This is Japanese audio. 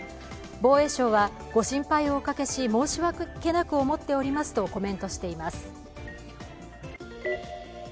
防衛省はご心配をおかけし、申し訳なく思っておりますとコメントしています。